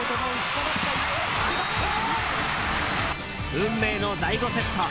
運命の第５セット。